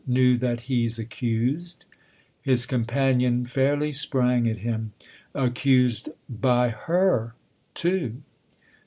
" Knew that he's accused ?" His companion fairly sprang at him. "Accused by her too